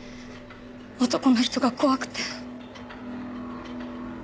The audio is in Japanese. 男の人が怖くて。